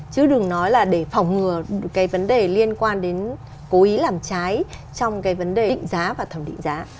chứ đừng nói là để phòng ngừa cái vấn đề liên quan đến cố ý làm trái trong cái vấn đề định giá và thẩm định giá